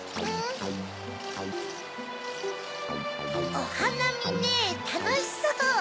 おはなみねたのしそう！